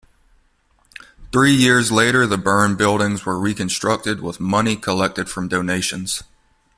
Three years later, the burned buildings were reconstructed with money collected from donations.